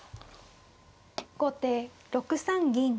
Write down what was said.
後手６三銀。